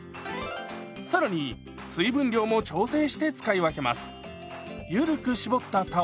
更に水分量も調整して使い分けます。